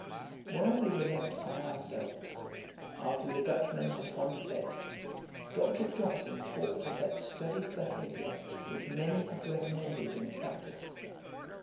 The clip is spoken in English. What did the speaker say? While we were left by ourselves, after the Dutchman had gone to bed, Dr. Johnson talked of that studied behaviour which many have recommended and practised.